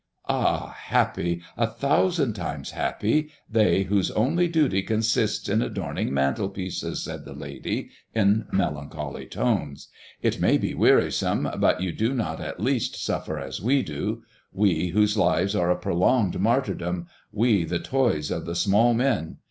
"Ah, happy, a thousand times happy, they whose only duty consists in adorning mantelpieces!" said the lady, in melancholy tones. "It may be wearisome, but you do not at least suffer as we do, we whose lives are a prolonged martyrdom; we, the toys of the small men.